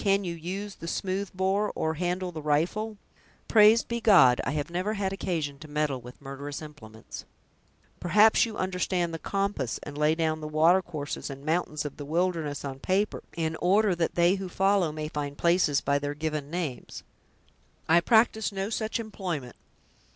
Can you use the smoothbore, or handle the rifle?" "Praised be God, I have never had occasion to meddle with murderous implements!" "Perhaps you understand the compass, and lay down the watercourses and mountains of the wilderness on paper, in order that they who follow may find places by their given names?" "I practice no such employment."